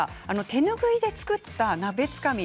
手ぬぐいで作った鍋つかみ